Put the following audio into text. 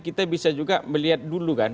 kita bisa juga melihat dulu kan